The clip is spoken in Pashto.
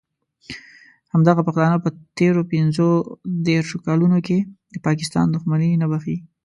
همدغه پښتانه په تېرو پینځه دیرشو کالونو کې د پاکستان دښمني نه بښي.